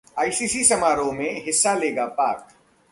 ICC समारोह में हिस्सा लेगा पाक